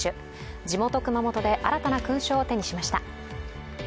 地元・熊本で新たな勲章を手にしました。